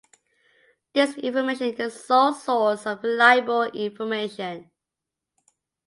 This information is the sole source for reliable information.